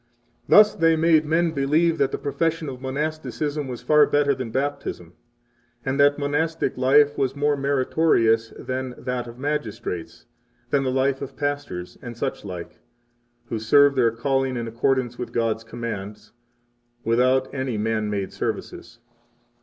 13 Thus they made men believe that the profession of monasticism was far better than Baptism, and that the monastic life was more meritorious than that of magistrates, than the life of pastors, and such like, who serve their calling in accordance with God's commands, without any man made services.